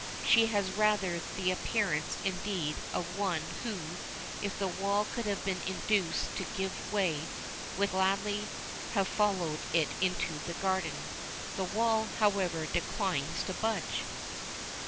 She has rather the appearance, indeed, of one who, if the wall could have been induced to give way, would gladly have followed it into the garden. The wall, however, declines to budge.